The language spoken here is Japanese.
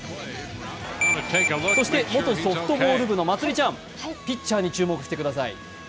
そして元ソフトボール部のまつりちゃんピッチャーに注目してください。